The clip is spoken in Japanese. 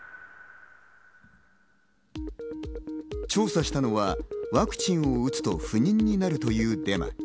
調査したのはワクチンを打つと不妊になるというデマ。